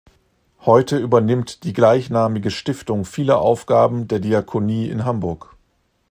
Heute übernimmt die gleichnamige Stiftung viele Aufgaben der Diakonie in Hamburg.